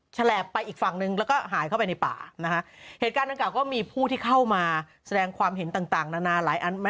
ฉลาบไปอีกฝั่งหนึ่งแล้วก็หายเข้าไปในป่านะคะเหตุการณ์ดังกล่าก็มีผู้ที่เข้ามาแสดงความเห็นต่างต่างนานาหลายอัน